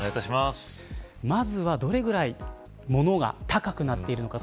まずは、どれぐらい物が高くなっているのか。